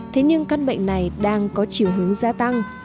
thế nhưng căn bệnh này đang có chiều hướng gia tăng